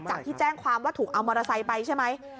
ที่แจ้งความว่าถูกเอามอเตอร์ไซค์ไปใช่ไหม